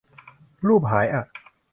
รูปหายอ่ะ